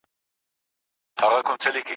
یوه ورځ به له درانه خوبه ویښیږي